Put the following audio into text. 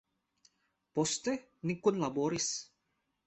Poste ni kunlaboris.